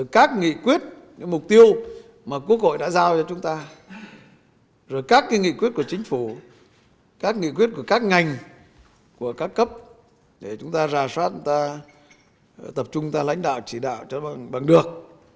các nghị quyết mục tiêu mà quốc hội đã giao cho chúng ta các nghị quyết của chính phủ các nghị quyết của các ngành của các cấp để chúng ta ra soát tập trung lãnh đạo chỉ đạo cho bằng được